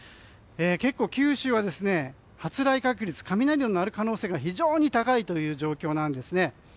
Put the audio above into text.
結構、九州は発雷確率、雷の鳴る可能性が高い状況なんですね。